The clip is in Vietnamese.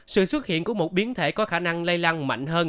sự xuất hiện của một biến thể có khả năng lây lan mạnh hơn